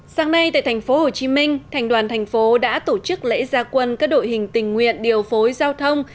sáng nay tại thành phố hồ chí minh thành đoàn thành phố đã tổ chức lễ gia quân các đội hình tình nguyện điều phối giao thông